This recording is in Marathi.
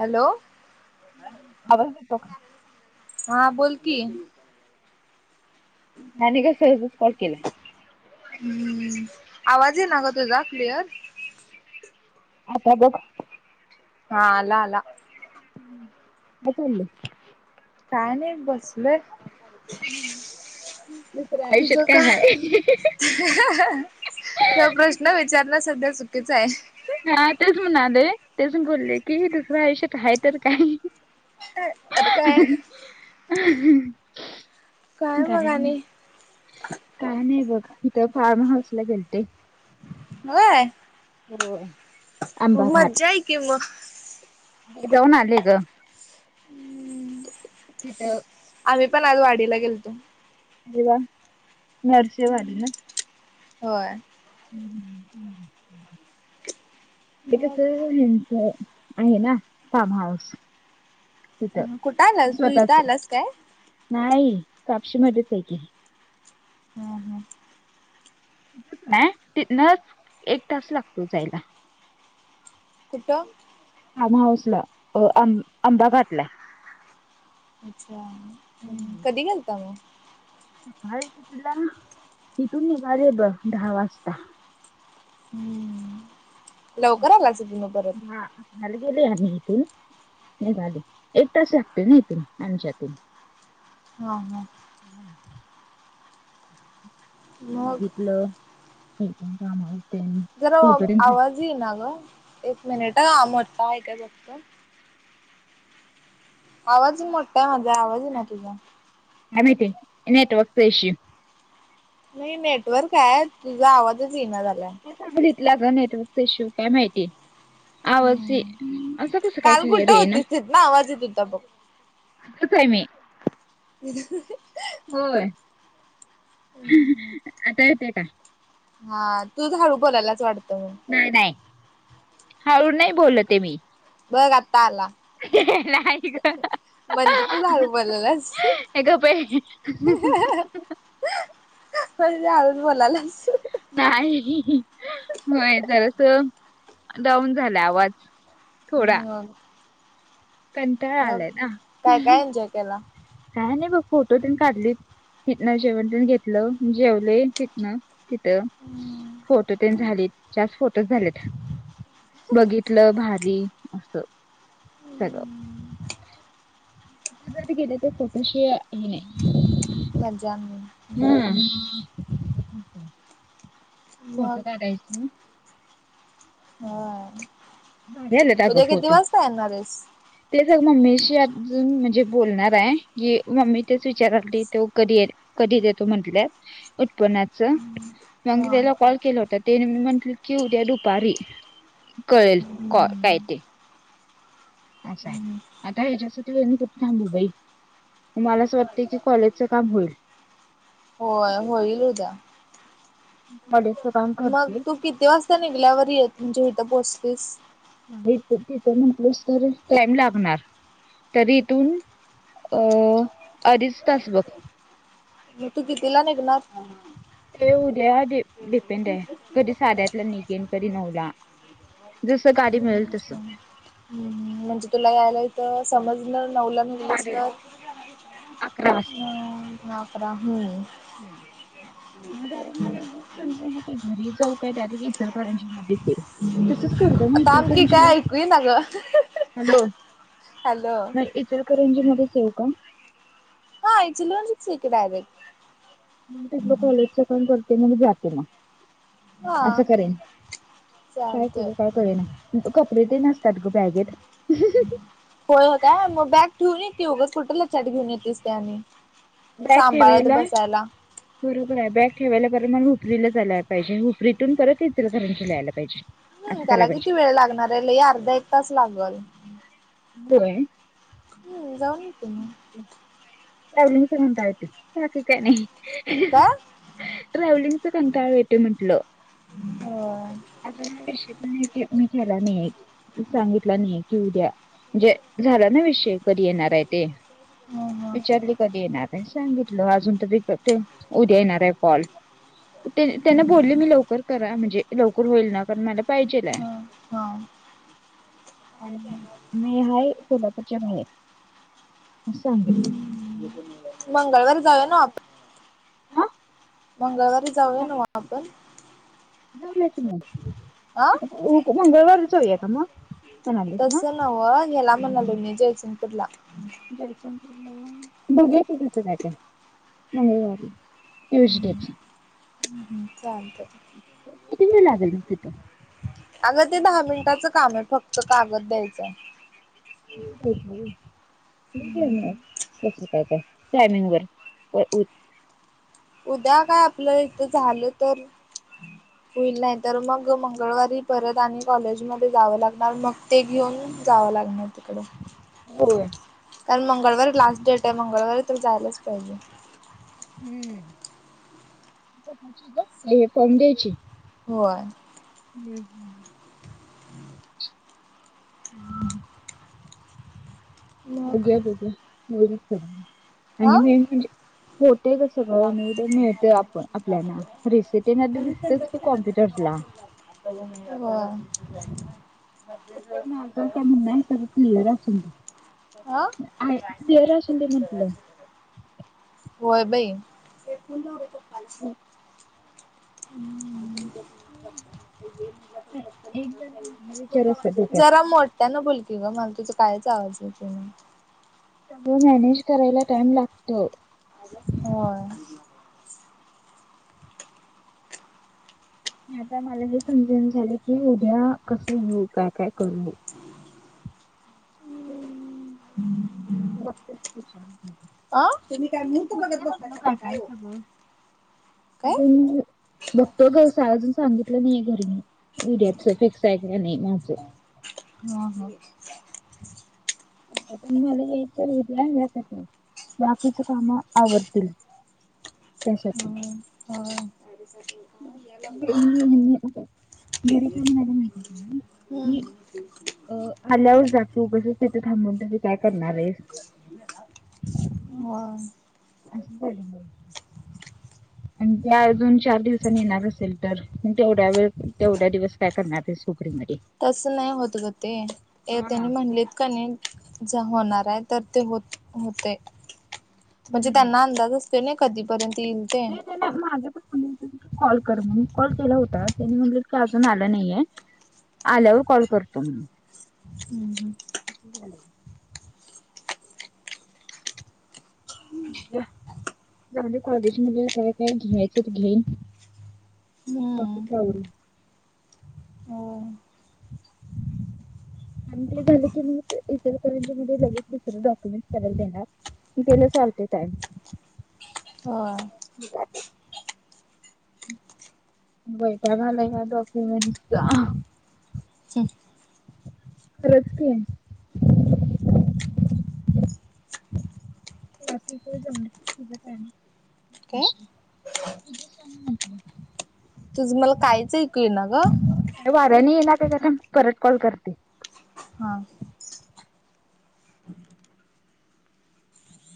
हॅलो आवाज देतो का? हा बोलकीि आणि का स को केला. हम्म आवाजही ना ग तो जा कलिअर आता बघ. हा अला आला आला. काय चाललं. काय नाही बसलं. दुसरं आयुष्यात काय ह त प्रश्न विचारण सध्या चुकीचं आहे. हा तेच म्हणाले तेच बोलले की दुसरं आयुष्यात आहेय तर काही ह अ का का काय मग आणि नाही. काय नाही बघ इथं फार्म हाऊस ला गेलते होय होय. आंबा मज्जा आहे कि मग म देऊन आले ग हम्म तिथं आम्ही पण आज वाडीला गेलतो एव नरसेवाली ना हो ह् क का मग स च आहे ना कामऊस तिथ कुठं आलास तू इथं स्वतःच आलास काय नाही कापशी मध्येच आहे की हम्म हम् नाही नच एक तास लागतो जायला कुठ फार्म हाऊस ला अहबादाघाट ला अच्छा हम् हम्म कधी घलता म सकाळी कि तिला इिथून निघ रे ब दहा वाजता हम्म लवकर आलाच तु्ही परत मल गेले आम्ही इथून निघाले एक तास लागते ना इथून आमच्यातून हा हम हम् मग बघितलं हे कामा जरा आवाज येई ना ग एक मिनिटमरता आहे काय फक्त आवाज मोठा आहे माझा आवाज ना तुझा आम ते नेटवर्क कश नाही नेटवर्क आहे तुझा आवाजच येना झालाय सांगितलं ग नेटवर्क इश्यू काय माहिती आहे. आवाज ये हम्म असं कसं काय काल कुठं क्लिअर आहे ना. होतीस तिथनं आवाज येत च आहे मी ह होय आता येतंय का? हा तुच हळू बोलल्यास वाटतं. नाय नाय हळू नाय बोल ते मी. बघ आता आला. नाय ग म्हणजे तूच हळू [unintelligible] बोलायलास ए गप्प अय्य. म्हणून तु हळूच बोलालास. नाही ही ही म्हणजे अस डाऊन झाला आवाज. हम्म! कंटाळ आलाय ना काय काय एन्जॉय केला? काय नाही बघ फोटो तेन काढलीत. हिथंन जेवण तेन घेतलं जेवले हिथंन तिथं. फोटो तेन झालीत जास्त फोटो झालेत. बघितलं भारी असं. बग. जर ती गेले तर पोटोशी हे नाही. मजान्ग हम्म. फोटो काढायच. हा भारी उद्या किती वाजता येणारेस. ते जर मम्मीशी अजून म्हणजे बोलणार आहे की मम्मी तेच विचाराली तो कधी येल. कधी देतो म्हटल्यात उत्पन्नाचं. मग हा. त्यला कॉल केला होता त्यनी म्हटलं की उद्या दुपारी. कळेल कॉ काय हम्म. ते. अस आहे आता ह्याच्यासाठीनी कुठ थांबू बाई. मला असं वाटतं की कॉलेजचं काम होईल. हो होईल उद्या. कॉलेजच काम मग करतीस. तू किती वाजता निघल्यावर ये म्हणजे इथं पोहचतेस. इथ तिथं म्हंटलीस तर टाईम लागणार. तरी इथून अ अडीच तास बघ. मग तू कितीला निघनार. हे उद्या डिपेंड आहे कधी साध्यातला निघेन कधी नवला. जस गाडी मिळेल तसं. हम्म म्हणजे तुला यायला इथ समजण नवला. साडे अकरा नाफरा [unintelligible] [unintelligible] समजा ना की घरी जाऊ काय डायरेक्ट इचलकरंजी मध्ये येऊ. तसच करू देना थांब की इचलकरंजीला, काय ऐकू येईना गं. हॅलो हॅलो नाही. इचलकरंजीमध्येच येऊ का? हा इचलंजीत ये डायरेक्ट. मग तिथलं कॉलेजच काम करते मग मी जाते ना. हा. असं करेन काय चालतंय. करू काय कळेना. कपडे तेन असत्यात ग बॅगेत. होय काय मग बॅग ठेऊन ये की उगच कुठ लचाठ घेऊन येतीस ते आणि बॅग सांभाळत ठेवायला बसायला. बरोबर आहे बॅग ठेवायला बर मग हुपरीला जायला पाहिजे हुपरीतून परत इचलकरंजीला यायला पाहिजे. हम्म असं त्याला कराय पाहिजे किती वेळ लागणार हाय लय अर्धा एक तास लागल. व्हय! हम्म जाऊन येते मी. नवीनच म्हणता येतंय बाकी काय नाही. काय? ट्रॅव्हलिंगचा कंटाळा येतोय म्हंटल. होय. [unintelligible] अस हा विषय पण आहे की मी केला नाही सांगितला नाही की उद्या. जे झालं ना विषय, कधी येणार आहे ते. हं हं विचारली कधी येणार आहे सांगितलं अजून तरी [unintelligible] उद्या येणार आहे कॉल. तेन-त्यांना बोलले मी लवकर करा, म्हणजे लवकर होईल ना, कारण मला पाहिजेल. हा. आणि मी हाय कोल्हापूरच्या [unintelligible] असं सांगितलं मंगळवारी जाऊ ना आप हा मंगळवारी जाऊया ना व आपण. जाउया कि आ? मग, मंगळवारी जाऊया का मग? म्हणालीस ना तसं नव्ह याला म्हण [unintelligible] जयसिंगपूरला. जयसिंगपूला दोघे [unintelligible] तुच का मंगळवारी. यज घ [unintelligible] ह्म चाल किती वेळ लागेल मग तिथं? अगं ते दहा मिनिटाचं काम ये फक्त, कागद द्यायचा. [unintelligible] हम्म तस काय-काय टायमिंग वर [unintelligible] उद्या काय आपलं इथं झालं तर [inaudible] होईल नाही तर मग मंगळवारी परत आणि कॉलेजमध्ये जावं लागणार मग ते घेऊन जावं लागणार तिकड. होय. कारण मंगळवारी लास्ट डेट ये, मंगळवारी तर जायलाच पाहिजे. हम्म. [unintelligible] फोन द्यायची. होय. हम् ह. हम्म [unintelligible] हम्म. मग बघूया-बघूया [unintelligible] आणि हा मेन म्हणजे होते गं सगळं नीट मिळते, आप-आपल्याला रिसिटी न दिसत की कॉम्प्युटर ला. ह माझ काय म्हणन [unintelligible] ह सगळ क्लीअर असून अं? आय क्लिअर असून दे म्हटलं होय बाई. हे फुललंत फल एक जण हा विचार असतो [unintelligible] [unintelligible] डोक्यात जरा मोठ. त्यांना बोलकी ग, माला तझा कायच आवाज नाई. सगळं मॅनेज करायला टाइम लागतो. होय. आता मला हे समजून झालं की, उद्या कस येऊ काय- काय करू? [unintelligible] बघतेच विचारून अं? तुम्ही काय मूहर्त बघत बसता काय ओ? अज बघतोय ग सळ अजून सांगितलं नाहीये घरी मी. [unintelligible] डेट फिक्स आहे नाही माझ. [unintelligible] हं हं. आ म्हाला यायचसाठी [unintelligible] बाकीचे काम आवरतील. हो हो. [unintelligible] [unintelligible] आहे काय म्हणाले माहिती आहे का? की हम्म [unintelligible] आल्यावर जा की. उगाचच तिथे थांबून तिथे काय करणार आहेस? ह. [unintelligible] आणि त्या अजून चार दिवसांनी येणार असेल तर? तेवढ्या वेळ, तेवढ्या दिवस काय करणारेस? [unintelligible] तसं नाही होत ग ते. त्यांनी म्हणलेत का नाही? जे होणार आहे तर ते होतय. म्हणजे त्यांना अंदाज असतो ना? कधीपर्यंत येईल. ते [unintelligible] म्हण कॉल कर म्हणून. कॉल केला होता त्यानी म्हटलं की अजून आलं नाहीये. आल्यावर कॉल करतो म्हणून. हम्म असं झालं [unintelligible] कॉलेज मध्ये काय घ्यायचं ते घेईन. बाकी हम्म [unintelligible] हम्म झालं की मग, इचलकरंजीमध्ये लगेच दुसरे डॉक्युमेंट स तयार करणार. ते ला चालते टाईम. हां. जातो. वैताग आलाय [unintelligible] हो खरच की. बाकी तो [unintelligible] काय तुझं सांग म्हटलं. तुझं मला काहीच ऐकू येईना ग. वार लई ये ना. थांब परत कॉल करते. हा